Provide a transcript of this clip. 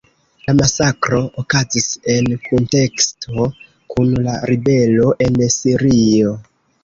La masakro okazis en kunteksto kun la ribelo en Sirio.